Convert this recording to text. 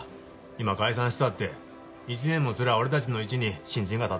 今解散したって１年もすりゃ俺たちの位置に新人が立っとるわ。